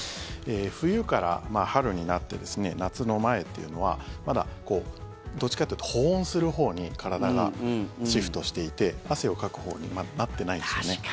冬から春になってですね夏の前っていうのはまだ、どっちかっていうと保温するほうに体がシフトしていて汗をかくほうにまだ、なってないんですよね。